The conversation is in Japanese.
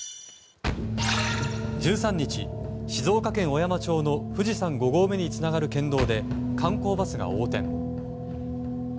１３日、静岡県小山町の富士山５合目につながる県道で観光バスが横転。